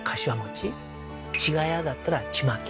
ちがやだったらちまき。